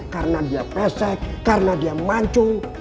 karena dia pesek karena dia mancung